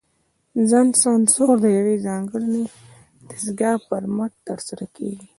ځان سانسور د یوې ځانګړې دستګاه پر مټ ترسره کېږي.